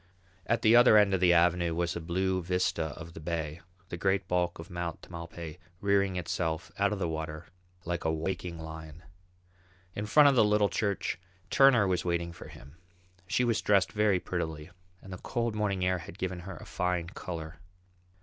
At the other end of the avenue was a blue vista of the bay, the great bulk of Mount Tamalpais rearing itself out of the water like a waking lion. In front of the little church Turner was waiting for him. She was dressed very prettily and the cold morning air had given her a fine colour.